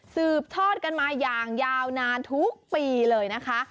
สืบทอดกันมาอย่างยาวนานทุกปีเลยนะคะ